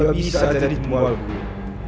dia bisa jadi temuan gue